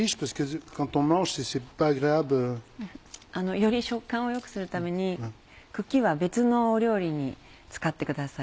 より食感を良くするために茎は別の料理に使ってください